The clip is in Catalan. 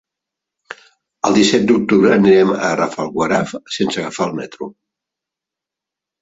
El disset d'octubre anirem a Rafelguaraf sense agafar el metro.